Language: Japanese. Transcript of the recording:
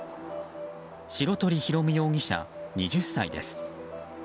白鳥紘夢容疑者、２０歳です。